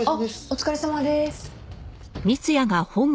お疲れさまです。